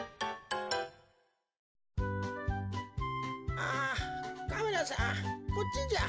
あカメラさんこっちじゃ。